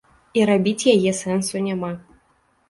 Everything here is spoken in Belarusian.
І рабіць яе сэнсу няма.